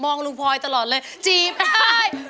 มองลูกพลอยตลอดเลย